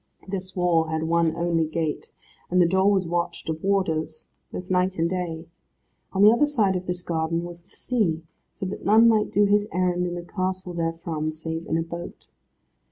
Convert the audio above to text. This wall had one only gate, and the door was watched of warders, both night and day. On the other side of this garden was the sea, so that none might do his errand in the castle therefrom, save in a boat.